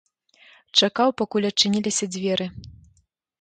Чакаў, пакуль адчыніліся дзверы.